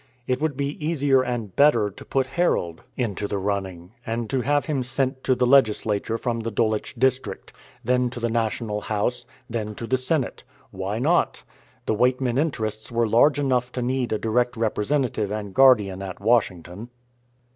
It would be easier and better to put Harold into the running, to have him sent to the Legislature from the Dulwich district, then to the national House, then to the Senate. Why not? The Weightman interests were large enough to need a direct representative and guardian at Washington.